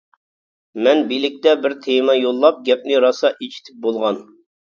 مەن بىلىكتە بىر تېما يوللاپ گەپنى راسا ئېچىتىپ بولغان.